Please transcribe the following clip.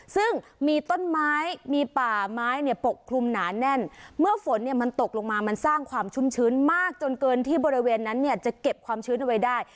ซึ่งมีต้นไม้มีป่าไม้เนี่ยปกคลุมหนาแน่นเมื่อฝนเนี่ยมันตกลงมามันสร้างความชุ่มชื้นมากจนเกินที่บริเวณนั้นเนี่ยจะเก็บความชื้นเอาไว้ได้